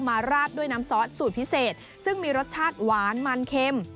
ราดด้วยน้ำซอสสูตรพิเศษซึ่งมีรสชาติหวานมันเค็ม